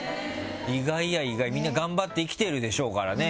意外や意外みんな頑張って生きてるでしょうからね。